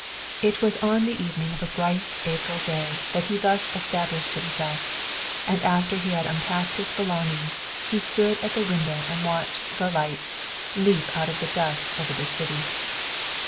It was on the evening of a bright April day that he thus established himself; and after he had unpacked his belongings he stood long at the window and watched the lights leap out of the dusk over the city.